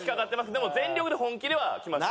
でも全力で本気では来ました。